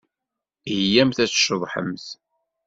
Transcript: Iyyamt ad tceḍḥemt!